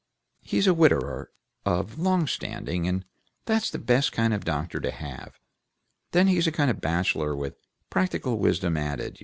"He's a widower of long standing, and that's the best kind of doctor to have: then he's a kind of a bachelor with practical wisdom added.